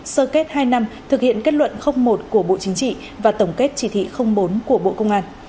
sơ kết hai năm thực hiện kết luận một của bộ chính trị và tổng kết chỉ thị bốn của bộ công an